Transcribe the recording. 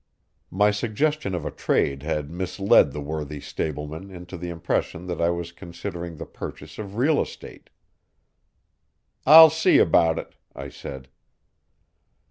My suggestion of a trade had misled the worthy stableman into the impression that I was considering the purchase of real estate. "I'll see about it," I said.